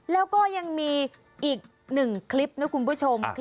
แล้วก็ยังมีอีกหนึ่งคลิปนะคุณผู้ชม